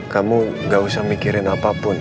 kamu gak usah mikirin apapun